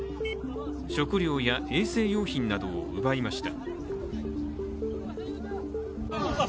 食料や衛生用品などを奪いました。